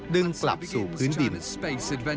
ดึงกลับสู่พื้นดิบ